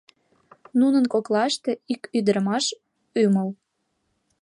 Нунын коклаште — ик ӱдырамаш ӱмыл...